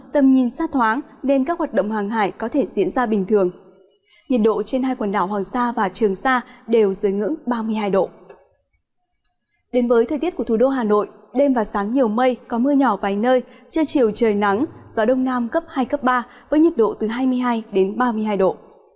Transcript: trời nắng gió đông nam cấp hai cấp ba với nhiệt độ từ hai mươi hai đến ba mươi hai độ